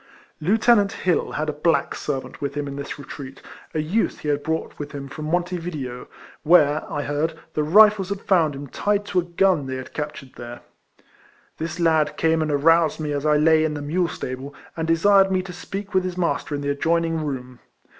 Lieutenant Hill had a black servant with him in this retreat, a youth he had brought with him from Monte Video, where, I heard, the Rifles had found him tied to a gun they had captured there. This lad came and aroused me as I lay in the mule stable, and desired me to speak with his master in the adjoining room.